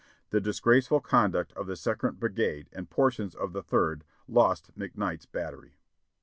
The disgraceful conduct of the Second Brigade and portions of the Third, lost McKnight's battery."